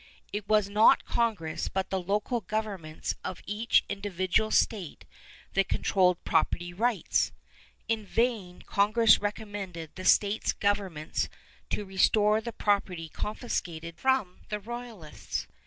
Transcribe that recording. It was not Congress but the local governments of each individual state that controlled property rights. In vain Congress recommended the States Governments to restore the property confiscated from the Royalists.